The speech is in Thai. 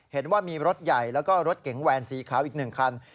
เห็นว่ามีรถใหญ่แล้วก็รถเก๋งแวนสีขาวอีก๑คัน